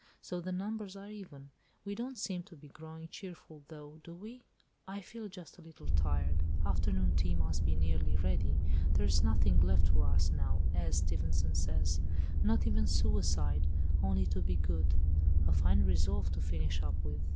So the numbers are even. We don't seem to be growing cheerful, though, do we? I feel just a little tired; afternoon tea must be nearly ready. There's nothing left for us now (as Stevenson says), 'not even suicide, only to be good,' a fine resolve to finish up with."